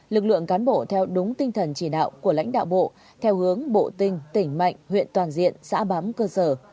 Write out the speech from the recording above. lực lượng cán bộ theo đúng tinh thần chỉ đạo của lãnh đạo bộ theo hướng bộ tinh tỉnh mạnh huyện toàn diện xã bám cơ sở